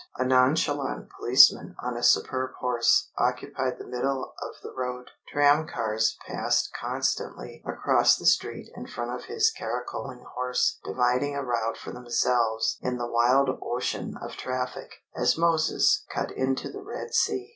A nonchalant policeman on a superb horse occupied the middle of the road. Tram cars passed constantly across the street in front of his caracoling horse, dividing a route for themselves in the wild ocean of traffic as Moses cut into the Red Sea.